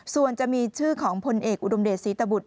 ส่วนจะมีชื่อของพลเอกอุดมเดชศรีตบุตร